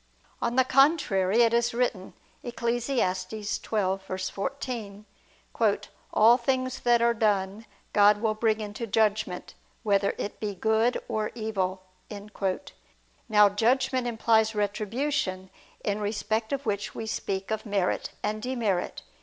On the contrary, It is written (Eccles. 12:14): "All things that are done, God will bring into judgment ... whether it be good or evil." Now judgment implies retribution, in respect of which we speak of merit and demerit.